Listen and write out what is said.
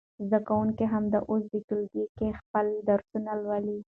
زده کوونکي همدا اوس په ټولګي کې خپل درسونه لولي.